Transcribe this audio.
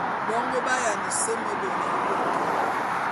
Bongo ba’ayiana seme beyaboto.